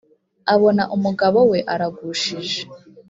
abona umugabo we aragushije